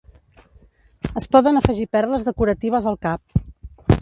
Es poden afegir perles decoratives al cap.